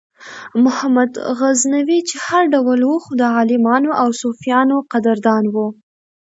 محمود غزنوي چې هر ډول و خو د عالمانو او صوفیانو قدردان و.